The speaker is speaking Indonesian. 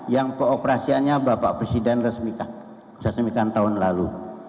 yang pengoperasiannya bapak presiden resmikan tahun lalu